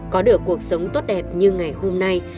có được cuộc sống tốt đẹp như ngày hôm nay